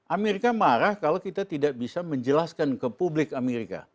amerika marah kalau kita tidak bisa menjelaskan ke publik amerika